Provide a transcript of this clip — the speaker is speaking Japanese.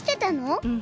うん。